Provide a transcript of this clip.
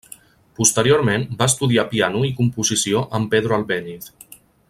Posteriorment va estudiar piano i composició amb Pedro Albéniz.